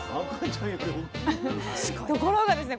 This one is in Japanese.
ところがですね